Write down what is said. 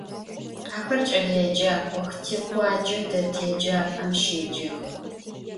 Axer ç'eleêcak'ox, tikhuace det yêcap'em şêcex.